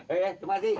eh terima kasih